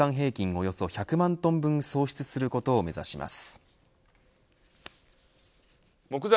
およそ１００万トン分創出することを目指します。